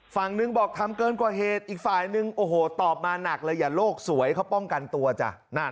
ฝั่งหนึ่งบอกทำเกินกว่าเหตุอีกฝ่ายนึงโอ้โหตอบมาหนักเลยอย่าโลกสวยเขาป้องกันตัวจ้ะ